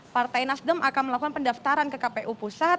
partai nasdem akan melakukan pendaftaran ke kpu pusat